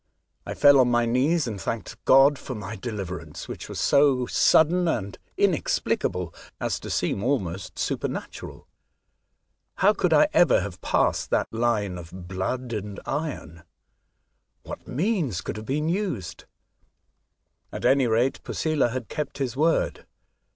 I fell on my knees and thanked God for my deliverance, which was so sud den and inexplicable as to seem almost supernatural. How could I ever have passed that line of " blood and iron "? What means could have been used. At any rate, Posela had kept his word.